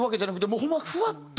もうホンマふわっと？